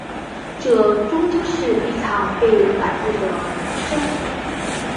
这终究是一场被摆布的人生